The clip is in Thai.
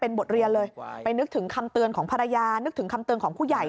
นึกถึงคำเตือนของภรรยานึกถึงคำเตือนของผู้ใหญ่